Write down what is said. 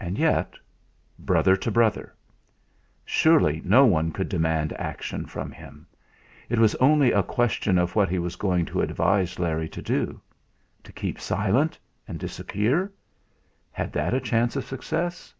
And yet brother to brother! Surely no one could demand action from him! It was only a question of what he was going to advise Larry to do. To keep silent, and disappear? Had that a chance of success?